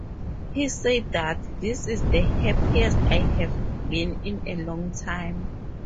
He said that, This is the happiest I have been in a long time.